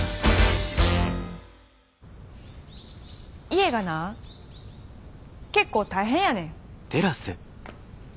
家がな結構大変やねん。